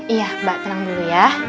iya mbak tenang dulu ya